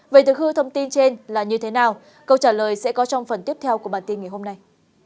vậy thực hư thông tin trên là như thế nào câu trả lời sẽ có trong phần tiếp theo của bản tin ngày hôm nay